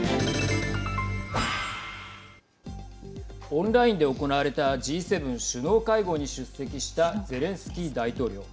オンラインで行われたＧ７首脳会合に出席したゼレンスキー大統領。